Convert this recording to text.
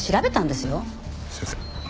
すいません。